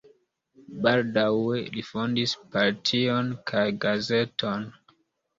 Baldaŭe li fondis partion kaj gazeton.